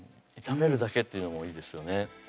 炒めるだけっていうのもいいですよね